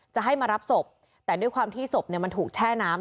จะให้มารับศพแต่ด้วยความที่ศพเนี่ยมันถูกแช่น้ำ